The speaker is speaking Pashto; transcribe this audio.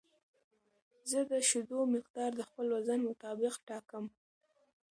زه د شیدو مقدار د خپل وزن مطابق ټاکم.